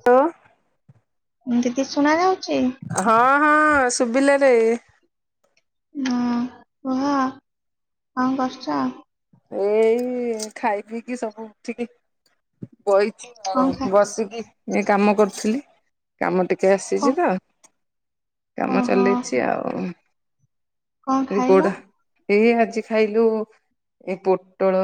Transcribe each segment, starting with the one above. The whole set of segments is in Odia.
[unintelligible] ଦିଦି ଶୁଣା ଯାଉଛି? ହଁ ହଁ ଶୁଭିଲାରେ। ହଁ କୁହ କଣ କରୁଛ? ଏଇ ଖାଇ ପିଇକି ସବୁ ଉଠିକି ବଇଛି ଆଉ କଣ ଖା ବସିକି ଏ କାମ କରୁଥିଲି କାମ ଟିକେ କେ କ ଆସିଛି ତ କାମ ଓହୋ ଚଲେଇଛି ଆଉ। କଣ ଖାଇଲ? ଗୋଡା ଏ ଆଜି ଖାଇଲୁ ଏ ପୋଟଳ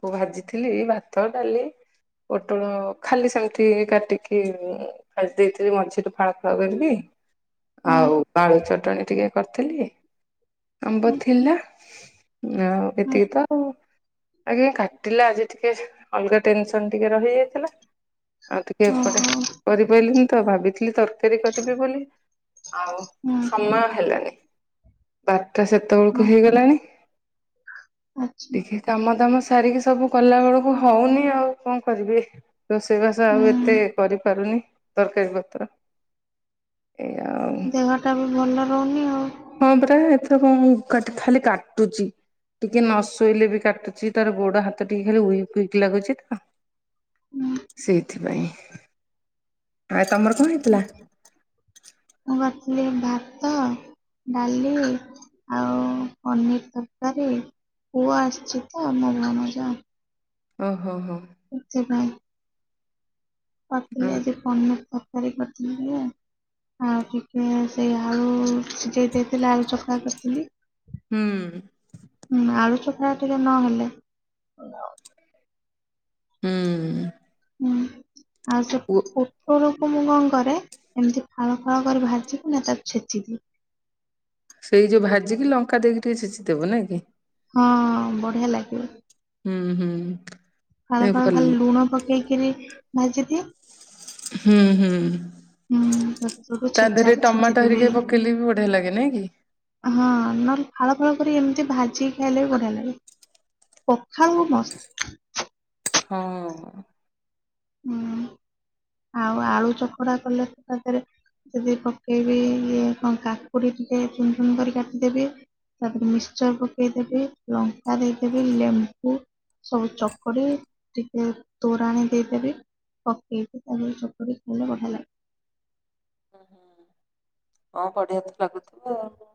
କୁ ଭାଜିଥିଲି ଭାତ ଡାଲି ପୋଟଳ ଖାଲି ସେମିତି କାଟିକି ଭାଜି ଦେଇଥିଲି ମଝିରୁ ଫାଳ ଫାଳ କରିକି ହୁଁ ଆଉ ବାଳୁ ଚଟଣି ଟିକେ କରିଥିଲି। ଆମ୍ବ ହୁଁ ଥିଲା ଆଉ ହୁଁ ଏତିକି ତ ଆଜ୍ଞା କାଟିଲା ଆଜି ଟିକେ ଅଲଗା ଟେନସନ ଟିକେ ରହିଯାଇଥିଲା ଆଉ ଟିକେ ଏପଟେ ଓହୋ କରିପାରିଲିନି ତ ଭାବିଥିଲି ତରକାରୀ କରିବି ବୋଲି। ଆଉ ହୁଁ ସମୟ ହେଲଣିି ବାରଟା ହୁଁ ସେତେବେଳକୁ ହେଇଗଲାଣି ଆଚ୍ଛା। ଟିକେ କାମ ଦାମ ସାରିକି ସବୁ କଲା ବେଳକୁ ହଉନି ଆଉ କଣ କରିବି। ରୋଷେଇବାସ ଆଉ ଏତେ ହୁଁ କରିପାରୁନି ତରକାରୀ ପତ୍ର ଏଇ ଆଉ ଦେହ ଟା ବି ଭଲ ରହୁନି ଆଉ। ହଁ ପରା ଏଥର କଣ ଖାଲି କାଟୁଛି। ଟିକେ ନ ଶୋଇଲେ ବି କାଟୁଛି ତାର ଗୋଡ ହାତ ଟିକେ ଖାଲି ଉଇକ୍ ଉଇକ୍ ଲାଗୁଛି ତ ହୁଁ ସେଇଥିପାଇଁ। ଆରେ ତମର କଣ ହେଇଥିଲା? ମୁଁ କରିଥିଲି ଭାତ ଡାଲି ଆଉ ପନିର ତରକାରୀ। ପୁଅ ଆସିଛି ତ ମୋ ଭଣଜା। ଓ ହୋ ହୋ। ସେଥିପାଇଁ ପଥିଲେ ଓ ଆଜି ପନିର ତରକାରୀ କରିଥିଲି। ଆଉ ଟିକେ ସେଇ ଆଳୁ ସିଝେଇ ଦେଇଥିଲେ ଆଉ ଚକା କରିଥିଲି। ହୁଁ। ହୁଁ ଆଳୁ ଚଖା ଟିକେ ନହେଲେ ହୁଁ। ହୁଁ ଆଉ ସବୁ ଓ। ପୋଟଳକୁ ମୁଁ କଣ କରେ ଏମିତି ଫାଳ ଫାଳ କରି ଭାଜିିକି ନା ତାକୁ ଛେଚିଦିଏ। ସେଇ ଯୋଉ ଭାଜିକି ଲଙ୍କା ଦେଇକି ଟିକେ ଛେଚି ଦେବ ନାଇ କି? ହଁ ବଢିଆ ଲାଗିବ। ହୁଁ ହୁଁ। କଣ ଏ କଣ ଭଲ ଖାଲି ଲୁଣ ପକେଇକିରି ଭାଜିଦିଏ। ହୁଁ ହୁଁ। ହୁଁ ତାକୁ ସେଠୁ ତା ଦେହରେ ଛେଚାରେ ଟମାଟୋ ଛେଚିଦେବି। ହେରିକା ପକେଇଲେ ବି ବଢ଼ିଆ ଲାଗେ ନାଇଁ କି? ହଁ ନହେଲେ ଫାଳ ଫାଳ କରି ଏମିତି ଭାଜିି କି ଖାଇଲେ ବି ବଢ଼ିଆ ଲାଗେ। ପଖାଳକୁ ମସ୍ତ। ହଁ ହୁଁ ଆଉ ଆଳୁ ଚକଡା଼ କଲେ ତା ଦେହରେ ପୁଣି ପକେଇବି ଇଏ କଣ କାକୁଡ଼ି ଟିକେ ଚୁନ ଚୁନ କରି କାଟିଦେବି ତାପରେ ମିକ୍ସଚର୍ ପକେଇଦେବି ଲଙ୍କା ଦେଇଦେବି ଲେମ୍ବୁ ସବୁ ଚକୁଡି ଟିକେ ତୋରାଣି ଦେଇଦେବି ପକେଇବି। ଏମିତି ଚକୁଟିକି ଖାଇଲେ ବଢ଼ିଆ ଲାଗେ। ହୁଁ ହୁଁ। ହଁ ବଢ଼ିଆ ତ ଲାଗୁଥିବ ଆଉ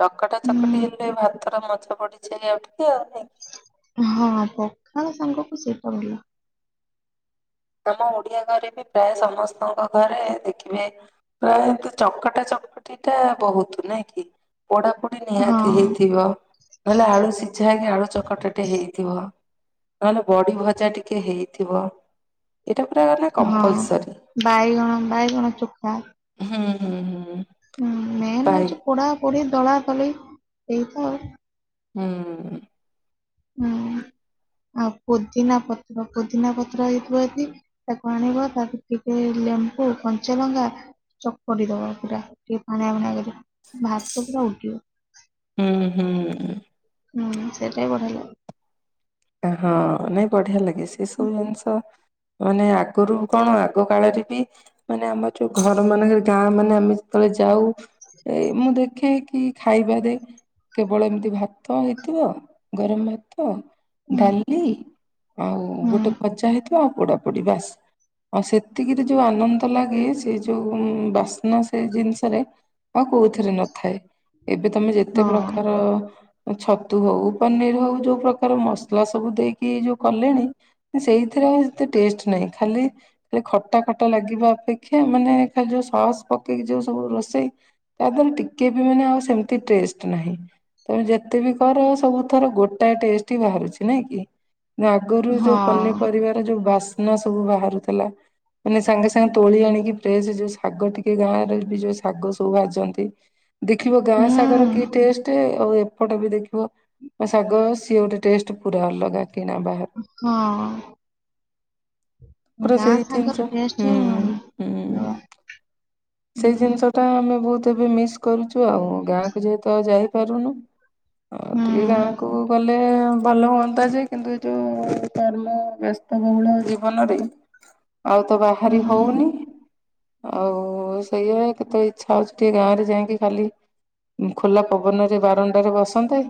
ଚକଟା ଚକଟି ହୁଁ ହେଲେ ଭାତର ମଜା ବଢିଯି ସେଇ ଆଉ ଟିକେ ଆଉ ନାଇଁ ହଁ ପଖାଳ ସାଙ୍ଗକୁ ସେଇଟା ଭଲ। ତମ ଓଡ଼ିଆ ଘରେ ବି ପ୍ରାୟ ସମସ୍ତଙ୍କ ଘରେ ଦେଖିବେ ପ୍ରାୟ ଏନ୍ତି ଚକଟା ଚକଟି ଟା ବହୁତ ନାଇଁ କି ପୋଡ଼ା ପୋଡ଼ି ହଁ ନିହାତି ହେଇଥିବ, ନହଲେ ଆଳୁ ସିଝା ହେଇକି ଆଳୁ ଚକଟାଟେ ହେଇଥିବ। ନହେଲେ ବଡ଼ି ଭଜା ଟିକେ ହେଇଥିବ। ଏଟା ପୁରା ମାନେ ହଁ କମ୍ପଲସରୀ ବାଇଗଣ ବାଇଗଣ ଚୋପା ହୁଁ ହୁଁ ହୁଁ। ହୁଁ ମେନ୍ ପାଇ ହୋଉଛି ପୋଡ଼ା ପୋଡ଼ି ଦଳା ଦଳି ଏଇତ ଆଉ। ହୁଁ। ହୁଁ ଆଉ ପୋଦିନା ପତ୍ର ପୋଦିନା ପତ୍ର ହେଇଥିବ ଯଦି ତାକୁ ଆଣିବ ତାକୁ ଟିକେ ଲେମ୍ବୁ କଞ୍ଚାଲଙ୍କା ଚକଟି ଦବ ପୁରା ଟିକେ ପାଣିଆ ପାଣିଆ କରିକି ଭାତ ପୁରା ଉଡ଼ିବ। ହୁଁ ହୁଁ। ହୁଁ ସେଇଟା ବି ବଢ଼ିଆ ଲାଗିବ। ହଁ, ନାଇଁ ବଢ଼ିଆ ଲାଗେ, ସେ ସବୁ ଜିନିଷ ମାନେ ଆଗରୁ କଣ ଆଗ କାଳରେ ବି ମାନେ ଆମ ଯୋଉ ଘର ମାନଙ୍କରେ ଗାଁ ମାନେ ଆମେ ଯେତେବେଳେ ଯାଉ ଏଇ ମୁଁ ଦେଖେ କି ଖାଇବା ରେ କେବଳ ଏମିତି ଭାତ ହେଇଥିବ, ଗରମ ଭାତ ହୁଁ ଡ଼ାଲି, ଆଉ ହୁଁ ଗୋଟେ ଭଜା ହେଇଥିବା ଆଉ ପୋଡ଼ା ପୋଡ଼ି ବାସ୍। ଆଉ ସେତିକିରେ ଯୋଉ ଆନନ୍ଦ ଲାଗେ ସେ ଯୋଉ ବାସ୍ନା ସେ ଜିନିଷରେ। ଆଉ କୋଉଥିରେ ନଥାଏ। ଏବେ ତମେ ଯେତେ ହଁ ପ୍ରକାର ଛତୁ ହଉ ପନିର ହଉ ଯୋଉ ପ୍ରକାର ମସ୍ ସ୍ଲା ସବୁ ଦେଇକି ଯୋଉ କଲେଣି ସେଇଥିରେ ଏତେ ଟେଷ୍ଟ୍ ନାହିଁ ଖାଲି ଖାଲି ଖଟା ଖଟା ଲାଗିବା ଅପେକ୍ଷା ମାନେ ଖାଲି ଯୋଉ ସସ୍ ପକେଇକି ଯୋଉ ସବୁ ରୋଷେଇ [unintelligible] ଟିକେ ବି ମାନେ ଆଉ ସେମିତି ଟେଷ୍ଟ ନାହିଁ। ତମେ ଯେତେ ବି କର ସବୁ ଥର ଗୋଟାଏ ଟେଷ୍ଟ୍ ହି ବାହାରୁଛି ନାଇଁ କି? ଆଗରୁ ଯୋଉ ହଁ ପନିପରିବାର ଯୋଉ ବାସ୍ନା ସବୁ ବାହାରୁଥିଲା। ମାନେ ସାଙ୍ଗେ ସାଙ୍ଗେ ତୋଳି ଆଣିକି ଫ୍ରେଶ ଯୋଉ ଶାଗ, ଟିକେ ଗାଁରେ ବି ଯୋଉ ଶାଗ ସବୁ ଭାଜନ୍ତି। ଦେଖିବ ଗାଁ ସାଗର କି ହୁଁ ଟେଷ୍ଟ ଆଉ ପଟ ବି ଦେଖିବ, ଶାଗ ସିଏ ଗୋଟେ ଟେଷ୍ଟ ପୁରା ଅଲଗା। [unintelligible] ନ ବା। ହଁ। ପୁରା ଗାଁ ସାଙ୍ଗର ସେଇତିନିସ, ଟେଷ୍ଟ ହୁଁ ହିଁ ହୁଁ। ଅଲଗା। ହୁଁ ସେଇ ଜିନିଷ ଟା ଆମେ ବହୁତ ଏବେ ମିସ୍ କରୁଛୁ ଆଉ, ଗାଁକୁ ଯେହେତୁ ଆ ଯାଇପାରୁନୁ। ହଁ, ହୁଁ ଟିକେ ଗାଁକୁ ଗଲେ ଭଲ ହୁଅନ୍ତା ଯେ, କିନ୍ତୁ ଏ ଯେଉଁ କର୍ମ ବ୍ୟସ୍ତବହୁଳ ଜୀବନରେ [inaudible] ଆଉ ତ ବାହାରି ହୁଁ ହଉନି। ଆଉ ସେଇଆା, କେତେବେଳେ ଇଛା ହଉଛି ଟିକେ ଗାଁରେ ଯାଇକି ଖାଲି ଖୋଲା ପବନରେ ବାରଣ୍ଡାରେ ବସନ୍ତେ,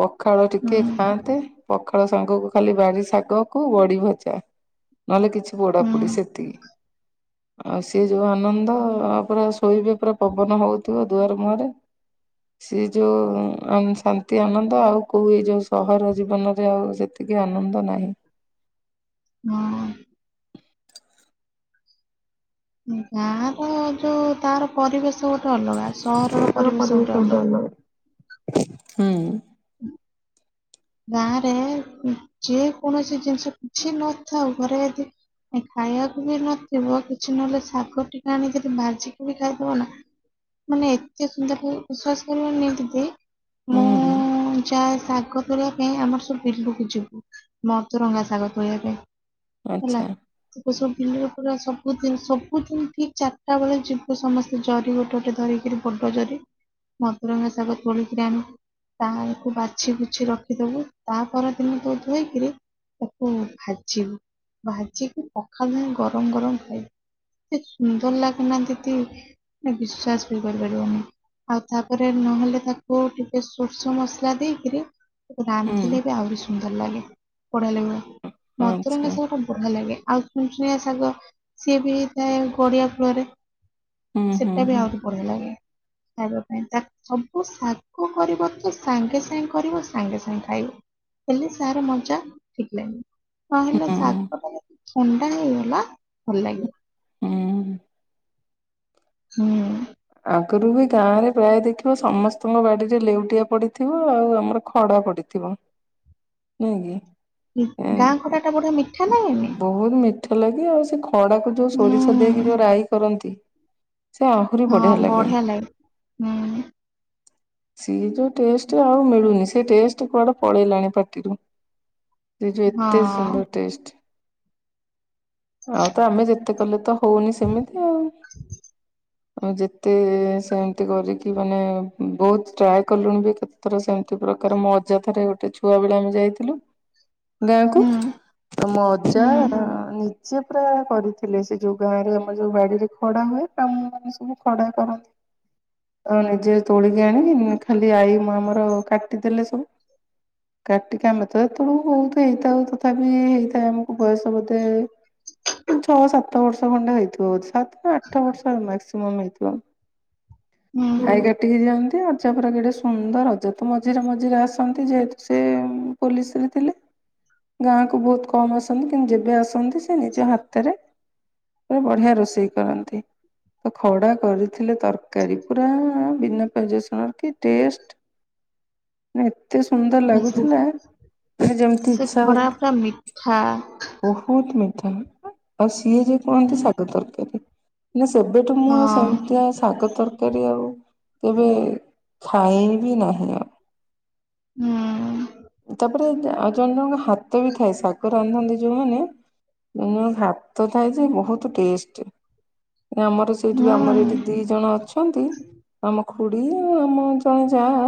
ପଖାଳ ଟିକେ ଖାଆନ୍ତେ। ହୁଁ ପଖାଳ ସାଙ୍ଗକୁ ଖାଲି ବାରି ଶାଗ କୁ, ବଢି ଭଜା। ନହେଲେ କିଛି ହୁଁ ପୋଡାପୋଡି ସେତିକି। ଆଉ ସିଏ ଯୋଉ ଆନନ୍ଦ। ତ ପୁରା ଶୋଇବେ ପୁରା ପବନ ହଉଥିବ ଦୁଆର ମୁହଁରେ, ସିଏ ଯୋଉ ଶାନ୍ତି, ଆନନ୍ଦ ଆଉ କୋଉ ଏଇ ଯୋଉ ସହର ଜୀବନରେ ଆଉ ସେତିକି ଆନନ୍ଦ ନାହିଁ। ହଁ। ଗାଁ ର ଯୋଉ ତାର ପରିବେଶ ଗୋଟେ ଅଲଗା, ସହରର ପରିବେଶ ଗୋଟେ ଅଲଗା। ହୁଁ। ହୁଁ। ଗାଁରେ ଯେ କୌଣସି ଜିନିଷ କିଛି ନଥାଉ, ଘରେ ଯଦି ଖାଇବାକୁ ବି ନଥିବ, କିଛି ନହେଲେ ଶାଗ ଟିକେ ଆଣିକି ଯଦି ମାଜିକି ବି ଖାଇଦବ ନା ମାନେ ଏତେ ସୁନ୍ଦର ଭି, ବିଶ୍ୱାସ କରିବନି ଦିଦି, ହୁଁ ମୁଁ ଯାଏ ଶାଗ ତୋଳିବା ପାଇଁ ଆମର ସବୁ ବିଲକୁ ଯିବୁ, ମଦୁରଙ୍ଗା ଶାଗ ତୋଳିବା ପାଇଁ। ହେଲା। ଆଚ୍ଛା ଏବେ ସବୁ ବିଲରେ ପରା ସବୁିଦିନ୍, ସବୁଦିନ୍ ଠିକ୍ ଚାରିଟା ବେଳେ ଯିବ ସମସ୍ତେ। ଜରି ଗୋଟେ ଗୋଟେ ଧରିକିରି, ବଡ ଜରି ମଦୁରଙ୍ଗା ଶାଗ ତୋଳିକି ଆଣିକି, ତାକୁ ବାଛି ବୁଛି ରଖ ରଖିଦବୁ ତାପଦିନ ତୋ ଧୋଇକିରି ତାକୁ ଭାଜିବୁ। ଭାଜିକି ପଖାଳ ନାହିଁ ଗରମ ଗରମ ଖାଇବୁ। ଏ ସୁନ୍ଦର ଲାଗେନା ଦିଦି, ମାନେ ବିଶ୍ଵାସ ବି କରିପାରିବନି। ଆଉ ତାପରେ ନହେଲେ ତାକୁ ଟିକେ ସୋର୍ଷ ମସଲା ଦେଇକିରି ତାକୁ ହୁଁ ରାନ୍ଧିଲେ ବି ଆହୁରି ସୁନ୍ଦର ଲାଗେ। ବଢିଆ ଲାଗିବ। ଆଚ୍ଛା ମଦୁରଙ୍ଗା ସାଗଟା ବଢିଆ ଲାଗେ। ଆଉ ଚୁଣିଚୁଣିଆ ଶାଗ, ସିଏ ବି ହେଇଥାଏ ଗଡିଆ ଫଳରେ। ହୁଁ ହୁଁ ସେଟା ବି ହୁଁ ଆହୁରି। ବଢିଆ ଲାଗେ, ଖାଇବା ପାଇଁ ତା ସବୁ ଶାଗ କରିବ ତ ସାଙ୍ଗେ ସାଙ୍ଗେ କରିବ ସାଙ୍ଗେ ସାଙ୍ଗେ ଖାଇବୁ। ହେଲେ ସାର ମଜା, ଠିକ ଲାଗିବ। ନ ହେେଲେ ଶାଗ ହୁଁ। ଟା ଯଦି ଥଣ୍ଡା ହେଇଗଲା, ଭଲ ଲାଗିବ। ହୁଁ। ହୁଁ। ଆଗରୁ ବି ଗାଁରେ ପ୍ରାୟ ଦେଖିବ ସମସ୍ତଙ୍କ ବାଡିରେ ଲେଉଟିଆ ପଡିଥିବ, ଆଉ ଆମର ଖଡା ପଡିଥିବ। [inaudible] ନାଇଗି। ହୁଁ ଗାଁ ଖଟା ଟା ବଢିଆ ମିଠା ଲାଗେନି ବହୁତ ମିଠା ଲାଗେ, ଆଉ ସେ ଖଡାକୁ ଯୋଉ ସୋରିଷ ଦେଇକି, ହୁଁ ଯୋଉ ରାାଇ କରନ୍ତି। ହଁ ବଢିଆ ଲାଗେ, ହୁଁ। ସିଏ ଯୋଉ ଟେଷ୍ଟ୍ ଆଉ ମିଳୁନି, ସେ ଟେଷ୍ଟ କୁଆଡ଼େ ପଳେଇଲାଣି ପାଟିରୁ। ସେ ଯୋଉ ଏତେ ହଁ ସୁନ୍ଦର ଟେଷ୍ଟ। ଆଉ ତ ଆମେ ଯେତେ କଲେ ତ ହଉନି ସେମିତି ଆଉ ଆଉ ଯେତେ ସେମତି କରିକି ମାନେ ବହୁତ ଟ୍ରାଏ କଲୁଣି ବି କେ ଥର ସେମିତି ପ୍ରକାର ମୋ ଅଜାଥରେ ଗୋଟେ ଛୁଆବେଳେ ଆମେ ଯାଇଥିଲୁ [inaudible] ଗାଁକୁ, ତ ମୋ ଅଜା ହୁଁ ନି ସିଏ ପୁରା କରିଥିଲେ ସେ ଯୋଉ ଗାଁ ରେ ଆମର ଯୋଉ ବାଡ଼ିରେ ଖଡ଼ା ହୁଏ, ତା ମୁଁ ଆ ସବୁ ଖଡ଼ା କରନ୍ତି। ଆଉ ନିଜେ ତୋଳିକି ଆଣିକି ଖାଲି ଆଈ ଆମର କାଟିଦେଲେ ସବୁ। ଁ [unintelligible] କାଟିକି ଆଣି ନ ଥିବେ, ହେତଅଳୁ କୁ ବହୁତ ହେଇଥାଉ ତଥାପି ହେଇଥାଏ ଆମକୁ ବୟସ ବୋଧେ ଛଅ ସାତ ବର୍ଷ ଖଣ୍ଡେ ହେଇଥିବ ବୋଧ ସାତରୁ ଆଠ ବର୍ଷ ମାସ୍କ୍ ତୁମ୍ ହେଇଥିବ, ଭାଇ କାଟିକି ଦିଅନ୍ତି, ଅଜା ପୁରା ଧରତୁ ମଝିରେ ମଝିରେ ଆସନ୍ତି ଯେହେତୁ ସେ ପୋଲିସ ରେ ଥିଲେ ଗାଁ କୁ ବହୁତ କମ ଆସନ୍ତି କିନ୍ତୁ ଯେବେ ଆସନ୍ତି ସେ ନିଜ ହାତରେ ପୁରା ବଢ଼ିଆ ରୋଷେଇ କରନ୍ତି। ତ ଖଡ଼ା କରିଥିଲେ ତର କାରୀ ପୁରା ବିନା ପିଆଜ ରସୁଣରେ କି ଟେଷ୍ଟ୍? ଏତେ ସୁନ୍ଦର ହୁଁ ଲାଗୁଥିଲା ଯେମିତି ସେ ଇଚ୍ଛା ଖଟା ହବ୍ ପୁରା ମିଠା ବହୁତ ମିଠା ଆଉ ସିଏ ଯଏ କୁହନ୍ତି ହୁଁ, ଶାଗ ତରକାରୀ। ଏବେଠୁ ମୁଁ ହଁ ଆଉ ସେମିତିଆ ଶାଗ ତର କାରୀ ଆଉ କେବେ ଖାଇବି ନାହିଁ ଆଉ। ଆଉ ହୁଁ ତାପରେ ଆଉ ଜଣେ ଜଣଙ୍କ ହାତ ବି ଥାଏ, ଶାଗ ରାନ୍ଧନ୍ତି ଯୋଉମାନେ ମୁଁ ମୋ ଭାତ ଥାଇଛି ବହୁତ ଟେଷ୍ଟ ଆମର ସେଇଠି ବି ହୁଁ ଆମର ଏଇଠି ଦି ଜଣ ଅଛନ୍ତି, ଆମ ଖୁଡ଼ି ଆ ଆମ ଜଣେ ଯାଆ,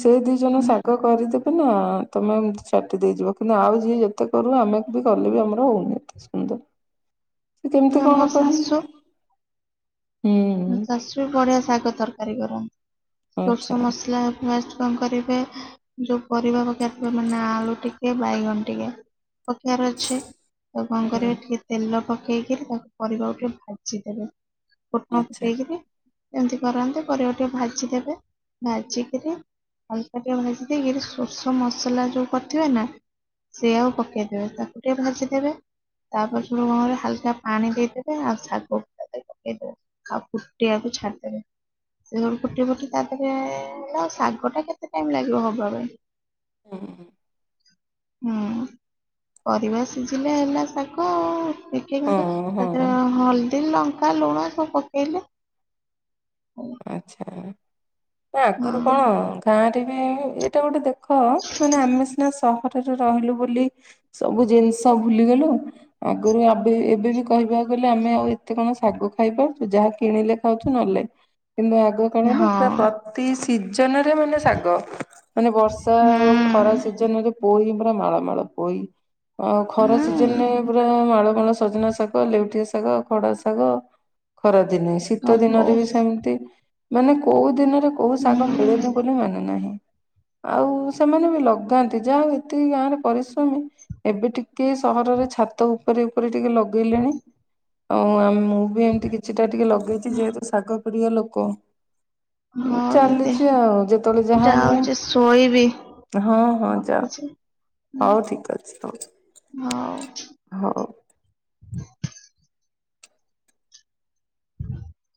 ସେ ଦି ଜଣ ହୁଁ ଶାଗ କରିଦ ତ ନା ତମେ ଏମିତି ଚାଟି ଦେଇଯିବ, କିନ୍ତୁ ଆଉ ଯିଏ ଯେତେ କରୁ ଆମେକୁ ବି କଲେ ବି ଆମର ହଉନି। [inaudible] ସେ କେମିତି କଣ ଆମ କଲେ ଶାଶୁ? ମୋ ହୁଁ ଶାଶୁ ବଢ଼ିଆ ଶାଗ ତରକାରୀ କରନ୍ତି। ଆଚ୍ଛା ସୋରିଷ ମସଲା ପେଷ୍ଟ କଁ କରିବେ ଯୋଉ ପରିବା ପକେଇବାର ଥିବ ମାନେ ଆଳୁ ଟିକେ ବାଇଗଣ ଟିକେ ପକେଇବାର ଅଛି। ତା କଣ ହୁଁ କରିବେ ଟିକେ ତେଲ ପକେଇକିରି ତାକୁ ପରିବାକୁ ଟିକେ ଭାଜିଦେବେ ଫୁଟଣ ଆଚ୍ଛା ଏମତି କରନ୍ତି ପରେ ପରିବା ଟିକେ ଭାଜି ଦେବେ ଭାଜିକିରି ଅଳ୍ପ ଟିକେ ଭାଜି ଦେଇକି ସୋରିଷ ମସଲା ଯୋଉ କରିଥିବେ ନା ସେ ଆଉ ପକେଇଦବେ ତାକୁ ଟିକେ ଭାଜିଦେବେ ତାପରେ ସେଇଟୁ କଣ କରିବେ ହାଲକା ପାଣି ଦେଇଦବେ ଆଉ ଶାଗ ପକେଇବେ ଆଉ ଫୁଟିବାକୁ ଛାଡ଼ିଦବେ। ସେ ଫୁଟେ ଫଟେ ତାପରେ ଶାଗ ଟା କେତେ ଟାଇମ ଲାଗିବ ହବା ପାଇଁ? ହଁ ହୁଁ ପରିବା ସିଝିଲେ ହେଲା ଶାଗ [unintelligible] ହଁ ହଁ ହଳଦୀ, ଲଙ୍କା, ଲୁଣ ସବୁ ପକେଇଲେ। ଆଛା ତ ଆଗରୁ କଣ? ହଁ ଗାଁରେ ବି ଏଇଟା ଗୋଟେ ଦେଖ! ମାନେ ଆମେ ସିନା ସହରରେ ରହିଲୁ ବୋଲି ସବୁ ଜିନିଷ ଭୁଲିଗଲୁ, ଆଗରୁ ଆବେ ଏବେ ବି କହିବାକୁ ଗଲେ ଆମେ ଆଉ ଏତେ କଣ ଶାଗ ଖାଇପାରୁଛୁ ଯାହା କିଣିଲେ ଖାଉଛୁ ନହେଲେ ନାଇଁ। କିନ୍ତୁ ଆଗ କାଳ ରେ ପୁରା ହଁ ପ୍ର ପ୍ରତି ସିଜନ ରେ ମାନେ ଶାଗ, ମାନେ ବର୍ଷା ହୁଁ ଓ ଖରା ସିଜନରେ ପୋଇ ପୁରା ମାଳ ମାଳ ପୋଇ ଅ ଖରା ସି ହୁଁ ସଜିନେ ପୁରା ମାଳ ମାଳ ସଜନା ଶାଗ, ଲେଉଟିଆ ଶାଗ, ଖଡ଼ା ଶାଗ, ଖରା ଦିନେ। ଶୀତ ହବ ଦିନରେ ବି ସେମତି ମାନେ କୋଉ ଦିନରେ କୋଉ ଶାଗ ମିଳେନି ହୁଁ ବୋଲି ମାନେ ନାହିଁ। ଆଉ ସେମାନେ ବି ଲଗାନ୍ତି ଯାହା ହଉ ଏତିକି ଗାଁ ରେ ପରିଶ୍ରମୀ। ଏବେ ଟିକେ ସହରରେ ଛାତ ଉ ଉପରେ ଉପରେ ଟିକେ ଲଗେଇଲେଣି, ଆଉ ମୁଁ ବି ଏମିତି କିଛିଟା ଟିକେ ଲଗେଇଛି ଯେହେତୁ ଶାଗ ବଢ଼ିଆ ଲୋକ। ହଉ ଦିଦି ଚାଲିଛି ଆଉ ଯେତେବେଳେ ଯାହା ହୁଏ। ଯାଉଛି ଶୋଇବି ହଁ ହଁ ଯା ରଖୁଛି ହଉ ଠିକ ଅଛି ହୋଉ। ମାଉ ହଉ। [inaudible]